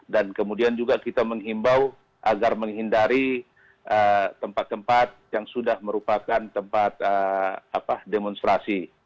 dan kemudian juga kita menghimbau agar menghindari tempat tempat yang sudah melunasi